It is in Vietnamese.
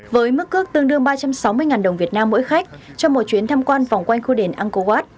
với mức cước tương đương ba trăm sáu mươi đồng việt nam mỗi khách trong một chuyến tham quan vòng quanh khu đền ankowat